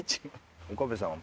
岡部さん